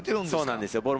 そうなんですよ。